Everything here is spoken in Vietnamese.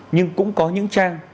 nhưng cũng có những trang